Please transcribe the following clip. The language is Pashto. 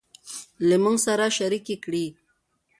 له موږ سره شريکې کړي